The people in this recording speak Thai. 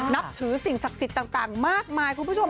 นับถือสิ่งศักดิ์สิทธิ์ต่างมากมายคุณผู้ชม